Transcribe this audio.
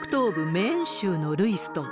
メーン州のルイストン。